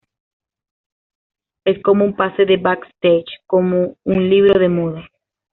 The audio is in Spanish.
Es como un pase de backstage, como un libro de moda.